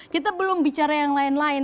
kita belum bicara yang lain lain